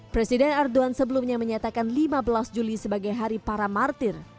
presiden erdogan sebelumnya menyatakan lima belas juli sebagai hari para martir